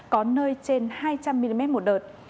có nơi trên hai trăm linh mm một đợt